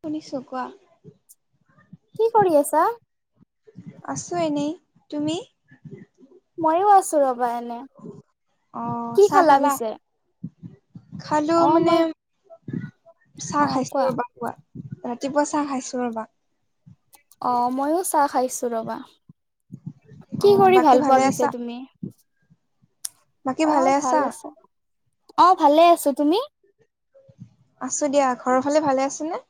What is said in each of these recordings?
শুনিছো কোৱা। কি কৰি আছা? আছো এনেই, তুমি? ময়ো আছোঁ ৰবা এনে। অ', কি চাহ খালা? পিছে? খালো অ মানে মই চাহ অ কোৱা। খাইছো ৰবা, খোৱা ৰাতিপুৱা চাহ খাইছো ৰবা। অ', ময়ো চাহ খাইছো ৰবা। অ কি কৰি বাকী ভাল পোৱা ভালে আছা পিছে তুমি? বাকী ভালে অ' ভাল আছা আছে, অ', ভালে আছোঁ তুমি? আছোঁ দিয়া ঘৰৰ ফালে ভালে আছে নে?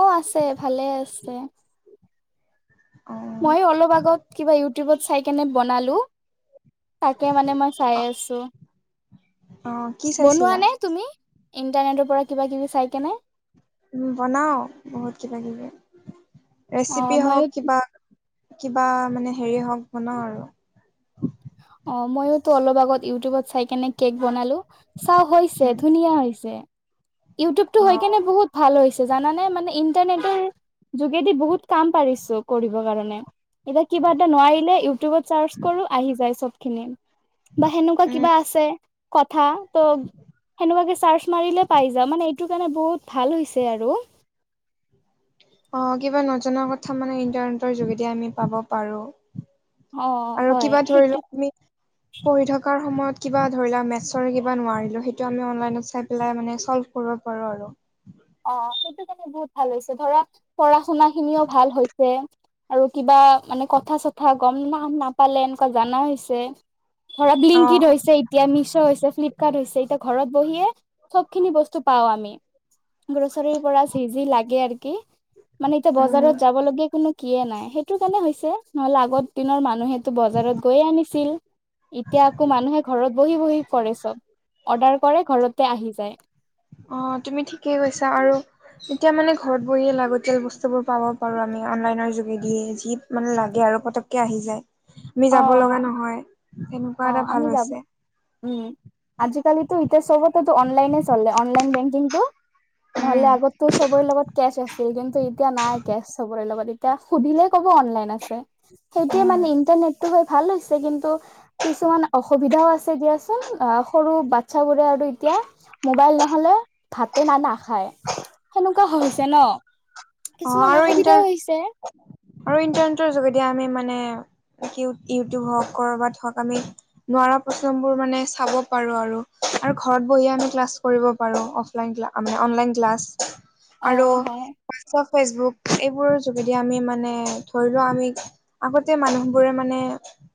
অ', আছে ভালে আছে। অ', মই অলপ আগত কিবা ইউটিউবত চাই কেনে বনালো। তাকে মানে মই চাই আছোঁ, অ কি বনোৱা চাইছিলা নে তুমি? ইণ্টাৰনেটৰ পৰা কিবা কিবি চাইকেনে? উ বনাও বহুত কিবা কিবি অ ৰেচিপি মইয়ো হওক কিবা কিবা মানে হেৰি হওঁক বনাও আৰু? অ' মইো তো অলপ আগত ইউটিউবত চাই কেনে কেক বনালো! চা হৈছে ধুনীয়া হৈছে ইউটিউবতটো অ হৈ কেনে বহুত ভাল হৈছে জানানে মানে ইণ্টাৰনেটৰ যোগেদি বহুত কাম পাৰিছো কৰিব কাৰণে। এতিয়া কিবা এটা নোৱাৰিলে ইউটিউবত চাৰ্চ কৰো আহি যায় চব খিনি। বা সেনেকুৱা উম কিবা আছে কথা ত সেনেকুৱাকে চাৰ্চ মাৰিলে পাই যাওঁ মানে এইটোৰ কাৰণে বহুত ভাল হৈছে আৰু। অ' কিবা নজনা কথা মানে ইণ্টাৰনেটৰ যোগেদি আমি পাব পাৰো। আৰু কিবা ধৰি লোৱা তুমি উ। পঢ়ি থকাৰ সময়ত কিবা ধৰি লোৱাক মেটছৰে কিবা নোৱাৰিলোঁ সেইটো আমি অনলাইনত চাই পেলাই মানে চল্ভ কৰিব পাৰো আৰু। অ' সেইটো কাৰণে বহুত ভাল হৈছে ধৰা পঢ়া শুনা খিনিও ভাল হৈছে। আৰু কিবা মানে কথা চথা গম ন নাপালে এনেকুৱা জানা হৈছে। ধৰা অ লিংকিত হৈছে। এতিয়া মিছ' হৈছে ফ্লিপকাৰ্ট হৈছে এতিয়া ঘৰত বহিয়ে চব খিনি বস্তু পাও আমি। গ্ৰছাৰীৰ পৰা চিজি লাগে আৰু কি মানে এতিয়া উম বজাৰত যাব লগীয়া কোনো। কিয়ে নাই সেইটো কাৰণে হৈছে নহ'লে আগত দিনৰ মানুহেতো বজাৰত গৈয়ে আনিছিল। এতিয়া আকৌ মানুহে ঘৰত বহি বহি কৰে চব অৰ্ডাৰ কৰে ঘৰতে আহি যায়। অ' তুমি ঠিকেই কৈছা আৰু। এতিয়া মানে ঘৰত বহিয়ে লাগতিয়াল বস্তু বোৰ পাব পাৰো আমি অনলাইনৰ যোগেদিয়ে যি মানে লাগে আৰু পতক আহি যায় আমি অ যাব লগা নহয়। তেনেকুৱা এটা অ' ভাল আমি যাব। হৈছে উম আজিকালি তো ইতিে চবতো অ অননলাইনে চললে অনলাইন বেংকিং তো। নহলে উম আগতো সবৰে লগত কেচ আছে। ছিজনতু কিন্তু এতিয়া নাই কেচ চবৰে লগত এতিয়া সুধিলে ক'ব অনলাইন আছে। সেইটোয়ে উম মানে ইণ্টাৰনেটটো হৈ ভাল হৈছে কিন্তু কিছুমান অসুবিধাও আছে দিয়াচোন আহ সৰু বাচ্ছাবোৰে আৰু এতিয়া মোবাইল নহলে ভাতে না নাখায় সেনেকুৱা হৈছে ন। কিছুমান অসুবিধাও উটাৰ। হৈছে আৰু ইণ্টাৰনেটৰ যোগেদি আমি মানে ইউটিউব হওঁক কৰবাত হওঁক আমি নোৱাৰা প্ৰশ্নবোৰ মানে চাব পাৰো আৰু আৰু ঘৰত বহিয়ে আমি ক্লাছ কৰিব পাৰো। মানে অনলাইন ক্লাছ অ আৰু হয় হোৱাটছআপ ফেচবুক। এইবোৰৰ যোগেদি আমি মানে ধৰি লোৱা আমি আগতে মানুহবোৰে মানে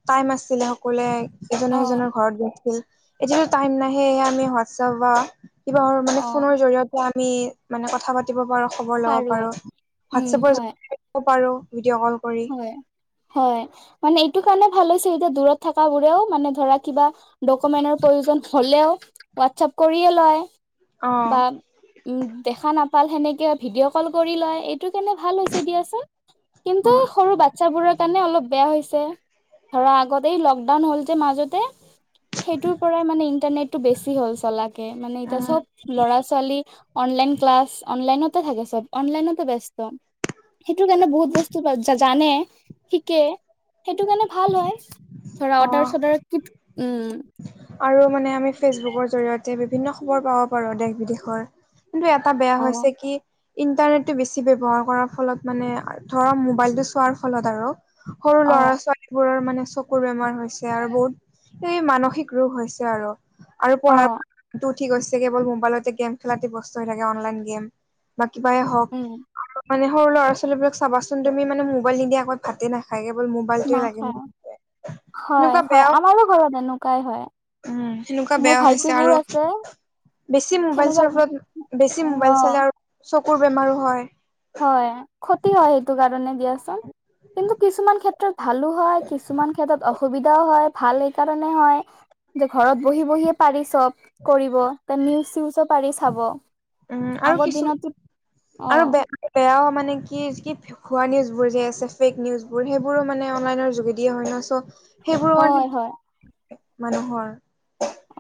টাইম আছিলে। কলে এজ অ সিজনৰ ঘৰত গৈছিল এতিয়া টাইম নাহেে আমি হোৱাটছআপ বা কিবা মানে অ ফোনৰ জৰিয়তে আমি মানে কথা পাতিব পাৰো খবৰ লব পাৰো। উম হয় হোৱাটছএপৰ পাৰোঁ ভিডিঅ' কল কৰি। হয় হয় মানে এইটো কাৰণে ভালছ এতিয়া দূৰত থকা বোৰেও মানে ধৰা কিবা। ডকুমেন্টৰ প্ৰয়োজন হ'লেও হোৱাটছপ কৰিয়ে লয় বা অ', উম দেখা নাপাল সেনেকে ভিডিঅ' কল কৰি লয় এইটো কেনে ভাল হৈছে দিয়াচোন। ত অ', সৰু বাচ্ছাবোৰৰ কাৰণে অলপ বেয়া হৈছে ধৰা আগতে লকডাউন হ'ল যে মাজতে। সেইটোৰ পৰাই মানে ইন্টাৰনেটটো বেছি হ'ল চলাকে মানে এতিয়া উম, চব ল'ৰা ছোৱালী অনলন ক্লা অনলাইন থেব চব অনলাইন ব্যস্ত সেইটো কাৰণ বহু বস্তু জানে শিকে সেইটো কাৰণে ভাল হয়। ধৰা অৰ্ডাৰ অ', চডাৰ কি উম। আৰু মানে আমি ফেচবুকৰ জৰিয়তে বিভিন্ন খবৰ পাব পাৰো দেশ বিদেশৰ। কিন্তু এটা বেয়া অ হৈছে কি ইণ্টাৰনেটটো বেছি ব্যৱহাৰ কৰাৰ ফলত মানে ধৰক মোবাইলটো চোৱাৰ ফলত আৰু সৰু অ ল'ৰা ছোৱালীবোৰৰ মানে চকুৰ বেমাৰ হৈছে আৰু বহুত এই মান সিক ৰোগ হৈছে আৰু। আৰু অ পঢ়াৰ উঠি গৈছে কেৱল মোবাইলতে গেম খেলাতে ব্যস্ত হৈ থাকে অনলাইন গেম বা কিবাই হওঁক। উম আৰু মানে সৰু ল'ৰা ছোৱালীবিলাক চাবাচোন তুমি মোবাইল নিদিয়া ভাতে নাখায় কেৱল মোবাইলটোৱে লাগে। নাখায় এনেকুৱা বেয়াও তোমাৰো ঘৰত এনেকুৱাই হয়। উম, সেনেকুৱা মোৰ বেয়া ভাইটি হৈছে বোৰ আৰু আছে বেছি মোবাইল সেনেকুৱা চোৱাৰ ফলত বেছি উম অ মোবাইল চালে আৰু চকুৰ বেমাৰো হয়। হয়, ক্ষতি হয় সেইটো কাৰণে দিয়াচোন। কিন্তু কিছুমান ক্ষেত্ৰত ভালো হয় কিছুমান ক্ষেত্ৰত অসুবিধাও হয়। ভাল সেই কাৰণে হয় যে ঘৰত বহি বহিয়ে পাৰি চব কৰিব নিউজ চউজো পাৰি চাব। উম, আৰু আগৰ কিছু দিনতো অ আৰু বে-বেয়াও মানে কি কি ভোৱা নিউজবোৰ যে আছে ফেক নিউজবোৰ সেইবোৰো মানে অনলাইনৰ যোগেদিয়ে হয় ন। চ' সেইবোৰ হয় হয় মানে মানুহৰ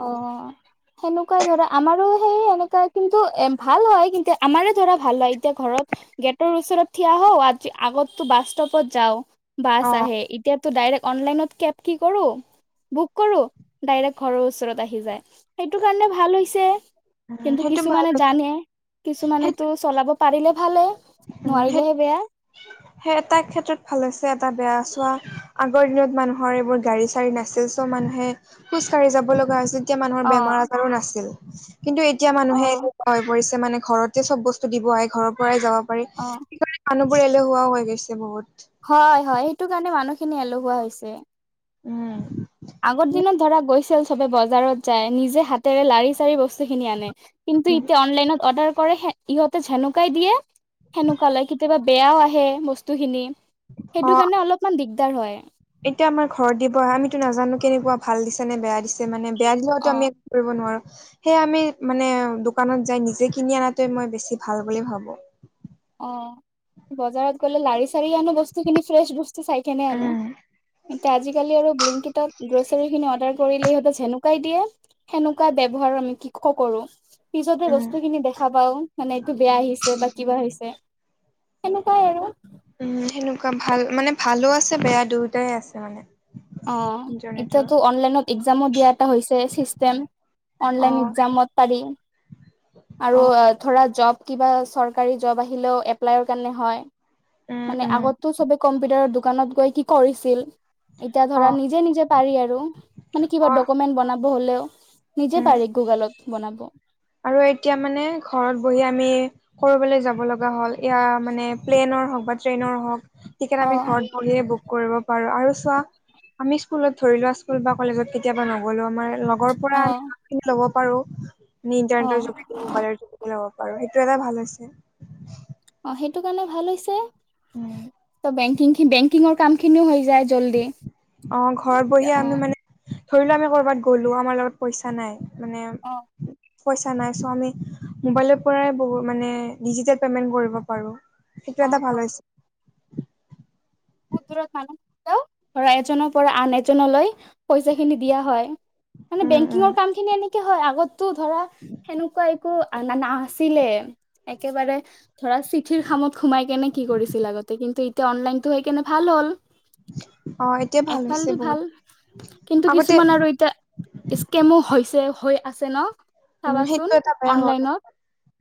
অ'। সেনেকুৱাই ধৰা আমাৰো সেই সেনেকুৱা কিন্তু এ ভাল হয় কিন্তু আমাৰে ধৰা ভাল হয়। এতিয়া ঘৰত গেটৰ ওচৰত থিয়া হওঁ আ-আগতো বাছ ষ্ট'পত যাওঁ বাছ অ আহে। এতিয়াতো ডাইৰেক্ট অনলাইনত কেব কি কৰো বুক কৰো ডাইৰেক্ট ঘৰৰ ওচ ওচৰত আহি যায় সেইটো কাৰণে ভাল হৈছে। কিন্তু সেইটো ভাল কিছুমানে জানে কিছুমানেতো চলাব পাৰিলে ভালে সেইটো নোৱাৰিলেহে বেয়া। [inaudible] সেই এটা ক্ষেত্ৰত ভাল হৈছে এটা বেয়া চোৱা আগৰ দিনত মানুহৰ এইবোৰ গাড়ী চাৰী নাছিল। ত' মানুহে খোজ কাঢ়ি যাব লগা হৈছিল। এতিয়া মানুহৰ অ বেমাৰ আজাৰো নাছিল। কিন্তু এতিয়া অ মানুহে হৈ পৰিছে মানে ঘৰতে চব বস্তু দিব আহে ঘৰৰ পৰাই যাব পাৰি। অ মানুহবোৰ এলেহুৱাও হৈ গৈছে বহুত। হয়, হয় সেইটো কাৰণে মানুহখিনি এলহুৱা হৈছে। উম। আগৰ দিনত ধৰা গৈছিল চবে বজাৰত যায় নিজে হাতেৰে লাৰি চাৰি বস্তুখিনি আনে। কিন্তু এতিয়া অনলাইনত অৰ্ডাৰ কৰে ইহতে জেকুৱাই দিয়ে সেনেকুৱা লয়। কেতিয়াবা বেয়াও আহে বস্তুখিনি অ সেইটো কাৰণে অলপমান দিগদাৰ হয়। এতিয়া আমাৰ ঘৰত দিব আমিতো নাজানো কেনেকুৱা ভাল দিছে নে বেয়া দিছে মানে বেয়া দিলেতো অ আমি কৰিব নোৱাৰো সেয়া আমি মানে দোকানত যাই নিজে কিনি অনাটোৱে মই বেছি ভাল বুলি ভাবো। অ', বজাৰত গ'লে লাৰি চাৰি আনো বস্তুখিনি ফ্ৰেছ বস্তু চাই কিনে আনো। উম এতিয়া আজিকালি আৰু গ্ৰ'চাৰীখিনি অৰ্ডাৰ কৰিলে ইহঁতে যেনেকুৱাই দিয়ে সেনেকুৱা ব্যৱহাৰ আমি কি ক কৰো। পিছতে উম বস্তুখিনি দেখা পাওঁ মানে এইটো বেয়া আহিছে বা কিবা হৈছে। সেনেকুৱাই আৰু। উম, সেনেকুৱা ভাল মানে ভালো আছে বেয়া দুয়োটাই আছে মানে। অ', ইণ্টাৰনেটৰ। এতিয়াতো অনলাইনত একজামো দিয়া এটা হৈছে চিষ্টেম। অনলাইন অ', এক্সামত পাৰি। আৰু অ', ধৰা জব কিবা চৰকাৰী জব আহিলেও এপ্লাইৰ কাৰণে হয়। উম, মানে উম, আগতটো চবে কম্পিউটাৰৰ দোকানত গৈ কি কৰিছিল। এতিয়া ধৰা অ', নিজে নিজে পাৰি আৰু মানে কিবা অ', ডকুমেন্ট বনাব হ'লেও। নিজে উম। পাৰি গুগলত বনাব। আৰু এতিয়া মানে ঘৰত বহি আমি ক'ৰবালৈ যাব লগা হ'ল। এ মানে প্লেনৰ হওঁক বা ট্ৰেইনৰ হওঁক টিকেট অ আমি ঘৰত বহিয়ে বুক কৰিব পাৰো আৰু চোৱা আমি স্কুলত ধৰিলো স্কুল বা কলেজত কেতিয়াবা নগ'লে আমাৰ লগৰ পৰা অ আমি ল'ব পাৰো অ ইণ্টাৰনেটৰ যোগেদি মবাইলৰ যোগেদি। ল'ব পাৰো সেইটো এটা ভাল হৈছে। অ', সেইটো কাৰণে ভাল হৈছে। উম, ত বেংকিং, বেংকিঙৰ কাম খিনিও হৈ যায় জল্দি। অ', ঘৰত অ বহিয়ে আমি মানে, ধৰিলোৱা আমি কৰবাত গ'লো আমাৰ লগত পইচা নাই, মানে অ', পইচা নাই চ' আমি মবাইলৰ পৰাই মানে ডিজিটেল পেমেন্ট কৰিব পাৰো। সেইটো এটা অ ভাল হৈছে। বহুত দূৰত মানুহ যও ধৰা এজনৰ পৰা আন এজনলৈ পইচা খিনি দিয়া হয়, মানে উম উম বেংকিঙৰ কাম খিনি এনেকে হয় আগত তো ধৰা সেনেকুৱা একো নাছিলে একেবাৰে ধৰা চিঠিৰ খামত সোমাই কেনে কি কৰিছিল আগতে কিন্তু এতিয়া অনলাইনটো হৈ কেনে ভাল হ'ল। অ এতিয়া ভাল একফাল হৈছে দি বহুত ভাল, কিন্তু আগতে কিছুমান আৰু এতিয়া স্কেমো হৈছে হৈ আছে ন? উম, সেইটো চাবাচোন এটা বেয়া হল। অনলাইনত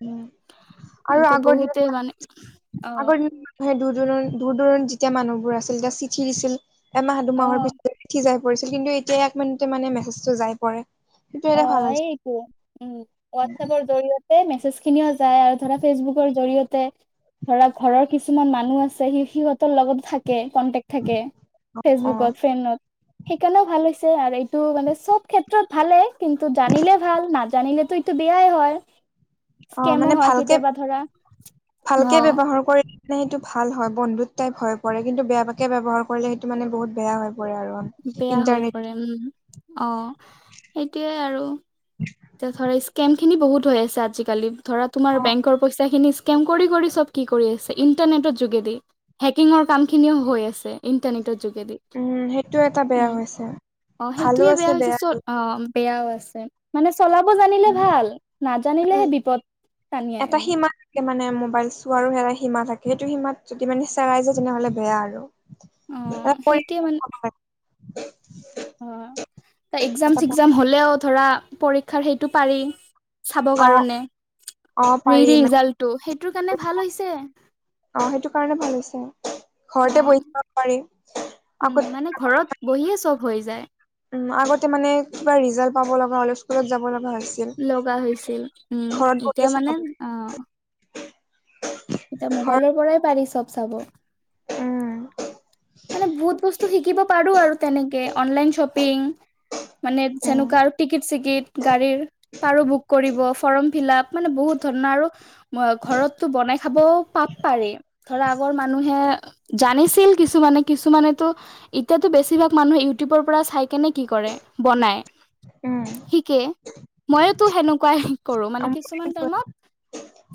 উম, আৰু এতিয়া আগৰ দিনত বহুতে মানে অ আগৰ দিন দূৰ দূৰণ দূৰ দূৰনিত যেতিয়া মানুহবোৰ আছিল তেতিয়া চিঠি দিছিল। এমাহ অ দুমাহৰ পিছত উঠি যাই পৰিছিল কিন্তু এতিয়া এক মিনিটতে মানে মেছেজটো যাই পৰে। সেইটো এটা ভাল অ', হৈছে এইটো উম, হোৱাটছএপৰ জৰিয়তে মেছেজ খিনি যাই আৰু ধৰা ফেচবুকৰ জৰিয়তে ধৰা ঘৰৰ কিছুমান মানুহ আছে সি সিহঁতৰ লগতো থাক কে কণ্টেক থাকে অ ফেচবুকত ফ্ৰেণ্ডত সেইকাৰণেও ভাল হৈছে আৰু এইটো মানে চব ক্ষেত্ৰত ভালে কিন্তু জানিলে ভাল নাজানিলে তো এইটো বেয়াই হয়। অ', স্কেমো মানে হয় কেতিয়াবা ধৰা অ ভালকে-ভালকে ব্যৱহাৰ কৰি মানে সেইটো ভাল হয় বন্ধুত টাইপ হৈ পৰে কিন্তু বেয়া পাকে ব্যৱহাৰ কৰিলে সেইটো মানে বহুত বেয়া হৈ পৰে আৰু বেয়া হৈ ইণ্টাৰনেট পৰে উম, অ', সেইটোয়ে আৰু [inaudible] এতিয়া ধৰা স্কেম খিনি বহুত হৈ আছে আজিকালি ধৰা তোমাৰ বেংকৰ পইচা খিনি স্কেম কৰি কৰি চব কি কৰি আছে ইণ্টাৰনেটৰ যোগেদি হেকিঙৰ কাম খিনিও হৈ আছে ইণ্টাৰনেটৰ যোগেদি। উম সেইটো এটা বেয়া উম, হৈছে অ, ভালো সেইটোয়ে আছে বেয়া হৈছে চব বেয়াটো আ, বেয়াও আছে। মানে চলাব জানিলে ভাল নাজানিলেহে বিপদ টানি এটা আনে। সীমা মানে মোবাইল চোৱাৰো এটা সীমা থাকে সেইটো সীমাত যদি মানে চেৰাই যায় তেনেহলে বেয়া আৰু এটা অ', পৰি সেইটোয়ে মান অ', এক্সাম চেক্সাম হলেও ধৰা পৰীক্ষাৰ সেইটো পাৰি। চাব অ কাৰণে অ ৰি পাৰি মানে ৰিজাল্টটো সেইটোৰ কাৰণে ভাল হৈছে। অ', সেইটো কাৰণে ভাল হৈছে অ ঘৰতে বহি চাব পাৰি উম আগত মানে ঘৰত বহিয়ে চব হৈ যায়। উম, আগতে মানে কিবা ৰিজাল্ট পাব লগা হ'লে স্কুলত যাব লগা হৈছিল। লগা হৈছিল উম, ঘৰত এতিয়া বহিয়ে মানে চাব অ এতিয়া ঘৰত মোবাইলৰ পৰাই পাৰি চব চাব। মানে বহুত বস্তু শিকিব পাৰো আৰু তেনেকে অনলাইন শ্বপিং মানে যেনেকুৱা আৰু টিকিট চিকিট গাড়ীৰ পাৰো বুক কৰিব ফৰ্ম ফিলাপ মানে বহুত ধৰণা আৰু ঘৰতটো বনাই খাব পাব পাৰি। ধৰা আগৰ মানুহে জানিছিল কিছুমানে কিছুমানেতো এতিয়াতো বেছিভাগ মানুহে ইউটিউবৰ পৰা চাই কেনে কি কৰে বনায়। সেই শিকে ময়োতো সেনেকুৱাই কৰো মানে কিছুমান টাইমত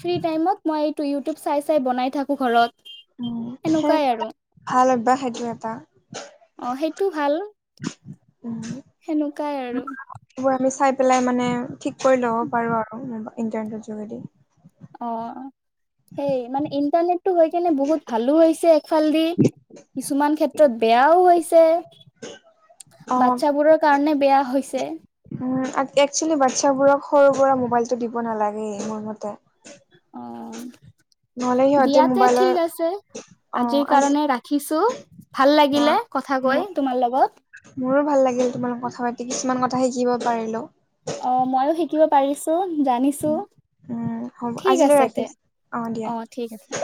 ফ্ৰী টাইমত মই এইটো ইউটিউব চাই চাই বনাই থাকো ঘৰত, সেনেকুৱাই আৰু ভাল অভ্যাস সেইটো এটা। অ', সেইটো ভাল। উম। সেনেকুৱাই আৰু। সেইবোৰ আমি চাই পেলাই মানে ঠিক কৰি ল'ব পাৰো আৰু ইণ্টাৰনেটৰ যোগেদি। অ', সেই মানে ইণ্টাৰনেটতো হৈ কেনে বহুত ভালো হৈছে, একফাল দি কিছুমান ক্ষেত্ৰত বেয়াও হৈছে। অ বাচ্ছাবোৰৰ কাৰণে বেয়া হৈছে। উম, একচুৱেলি বাচ্ছাবোৰক সৰুৰ পৰা মোবাইলটো দিব নালাগেই মোৰ মতে। অ', নহ'লে সিহঁতে দিয়াতে মোবাইলৰ ঠিক আছে? অ আজিৰ আজি কাৰণে ৰাখিছো, ভাল অ লাগিলে কথা কৈ মোৰ তোমাৰ লগত। মোৰো ভাল লাগিল তোমাল কথা পাতি, কিছুমান কথা শিকিব পাৰিলো। অ', মইয়ো শিক শিকিব পাৰিছো, জানিছো, উম হ'ব ঠিক আজিলৈ আছে তে? ৰাখিছো দিয়া অ', ঠিক আছে।